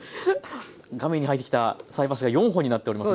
画面に入ってきた菜箸が４本になっております。